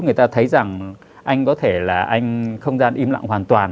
người ta thấy rằng anh có thể là anh không gian im lặng hoàn toàn